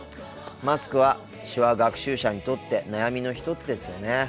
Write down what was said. マスクは手話学習者にとって悩みの一つですよね。